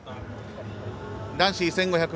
男子１５００